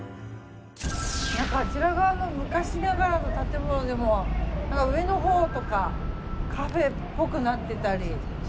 何かあちら側の昔ながらの建物でも上のほうとかカフェっぽくなってたり。